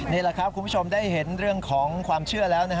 นี่แหละครับคุณผู้ชมได้เห็นเรื่องของความเชื่อแล้ว